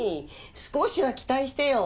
少しは期待してよ。